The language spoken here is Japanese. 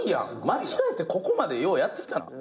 間違えてここまでようやってきたな。